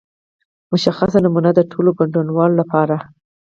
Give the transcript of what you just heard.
مشخصه نمونه د ټولو ګډونوالو لپاره.